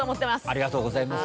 ありがとうございます。